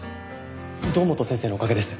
堂本先生のおかげです。